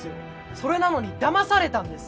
それなのに騙されたんです。